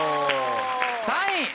３位！